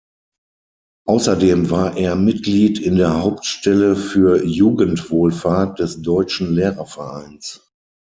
Außerdem war er Mitglied in der Hauptstelle für Jugendwohlfahrt des Deutschen Lehrervereins.